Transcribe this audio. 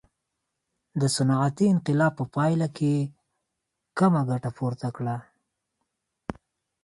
د صنعتي انقلاب په پایله کې یې کمه ګټه پورته کړه.